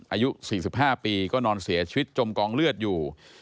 อายุ๔๕ปีก็นอนเสียชีวิตจมกองเลือดอยู่